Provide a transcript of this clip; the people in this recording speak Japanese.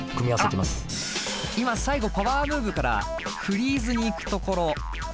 今最後パワームーブからフリーズに行くところ。